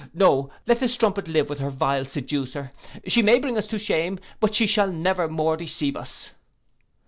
No, let the strumpet live with her vile seducer: she may bring us to shame but she shall never more deceive us.